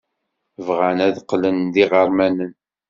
Bɣan ad qqlen d iɣermanen.